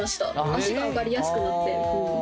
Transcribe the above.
足が上がりやすくなって。